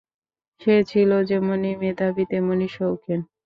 সে ছিল যেমনি মেধাবী তেমনি সৌখিন।